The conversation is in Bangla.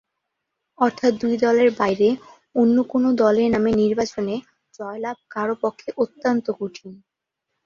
অর্থাৎ দুই দলের বাইরে অন্য কোনো দলের নামে নির্বাচনে জয়লাভ কারো পক্ষে অত্যন্ত কঠিন।